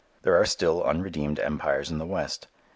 There are still unredeemed empires in the west.